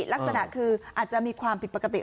ลักษณะคืออาจจะมีความผิดปกติ